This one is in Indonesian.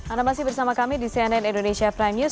anda masih bersama kami di cnn indonesia prime news